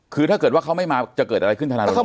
คือถ้าเกิดว่าเขาไม่มาจะเกิดอะไรขึ้นธนารณ